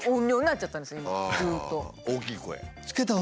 大きい声。